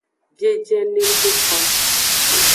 Biejene ku fan.